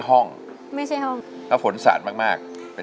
ทั้งในเรื่องของการทำงานเคยทำนานแล้วเกิดปัญหาน้อย